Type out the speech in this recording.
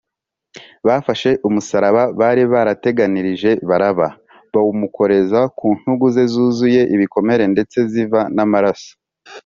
bafashe umusaraba bari barateganirije baraba bawumukoreza ku ntugu ze zuzuye ibikomere ndetse ziva n’amaraso